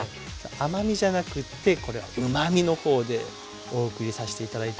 甘みじゃなくってこれはうまみの方でお送りさして頂いております。